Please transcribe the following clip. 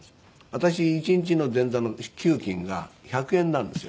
私１日の前座の給金が１００円なんですよ。